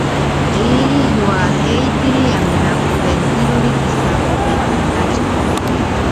Posteriormente fue nombrado Ministro de Justicia.